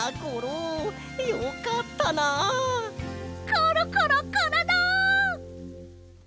コロコロコロロ！